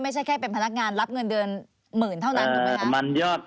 ไม่ใช่แค่เป็นพนักงานรับเงินเดือนหมื่นเท่านั้นถูกไหมคะ